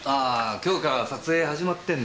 今日から撮影始まってるんだ。